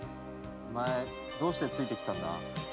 お前どうしてついてきたんだ？